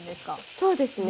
そうですね